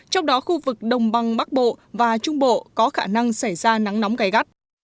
trong đó khu vực đồng băng bắc bộ và trung bộ có khả năng xảy ra nắng nóng gai gắt